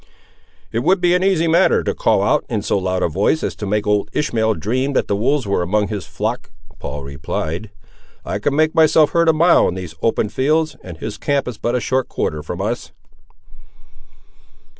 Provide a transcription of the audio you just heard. "It would be an easy matter to call out, in so loud a voice as to make old Ishmael dream that the wolves were among his flock," Paul replied; "I can make myself heard a mile in these open fields, and his camp is but a short quarter from us."